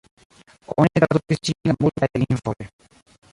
Oni tradukis ĝin al multaj lingvoj.